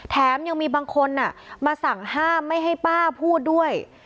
แถมยังมีบางคนมาสั่งห้ามไม่ให้ป้าพูดด้วย